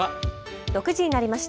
６時になりました。